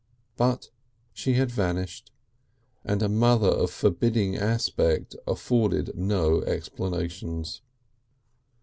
But she had vanished, and a mother of forbidding aspect afforded no explanations.